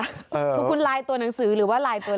คือคุณไลน์ตัวหนังสือหรือว่าไลน์ตัว